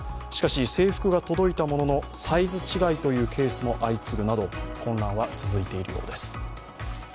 しかし、制服が届いたもののサイズ違いというケースも相次ぐなど混乱は続いているようです。